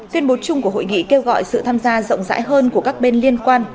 tuyên bố chung của hội nghị kêu gọi sự tham gia rộng rãi hơn của các bên liên quan